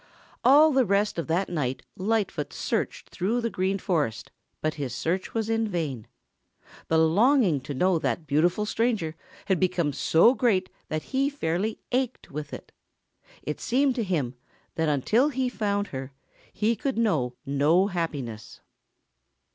All the rest of that night Lightfoot searched through the Green Forest but his search was in vain. The longing to find that beautiful stranger had become so great that he fairly ached with it. It seemed to him that until he found her he could know no happiness.